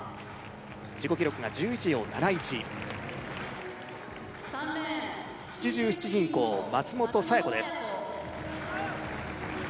自己記録が１１秒７１七十七銀行松本沙耶子です